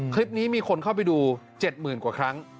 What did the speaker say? คลิปนี้มีคนเข้าไปดู๗๐๐๐กว่าครั้ง